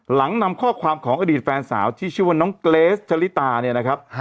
หลังนำข้อความของอดีตแฟนสาวที่ชื่อว่าน้องเกรสชะลิตาเนี่ยนะครับ